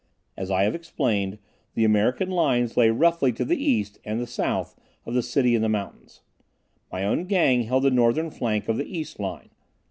As I have explained, the American lines lay roughly to the east and the south of the city in the mountains. My own Gang held the northern flank of the east line.